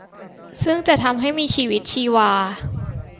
ซึ่งจะทำให้มีชีวิตชีวา